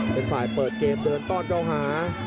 เป็นฝ่ายเปิดเกมเดินต้อนเข้าหา